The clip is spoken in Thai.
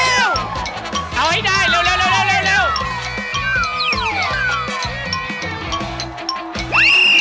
ไม่ได้เร็วเร็วเร็ว